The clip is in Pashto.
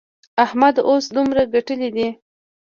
احمد اوس دومره ګټلې دي.